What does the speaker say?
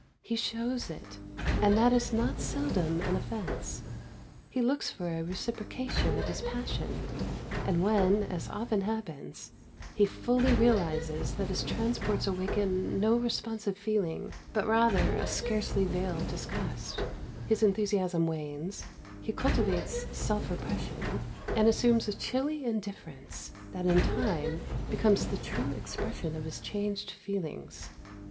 He shows it, and that is not seldom an offence. He looks for a reciprocation of his passion, and when, as often happens, he fully realises that his transports awaken no responsive feeling, but rather a scarcely veiled disgust, his enthusiasm wanes, he cultivates self repression, and assumes a chilly indifference that, in time, becomes the true expression of his changed feelings.